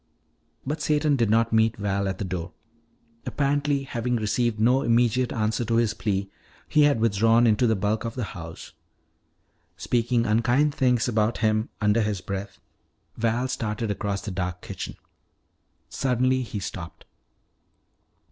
But Satan did not meet Val at the door. Apparently, having received no immediate answer to his plea, he had withdrawn into the bulk of the house. Speaking unkind things about him under his breath, Val started across the dark kitchen. Suddenly he stopped.